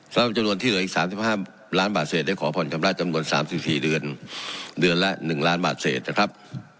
สำหรับจำนวนที่เหลืออีกสามสิบห้าล้านบาทเศษได้ขอผ่อนชำระจำวนสามสิบสี่เดือนเดือนละหนึ่งล้านบาทเศษนะครับ